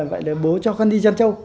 vậy là bố cho con đi chân trâu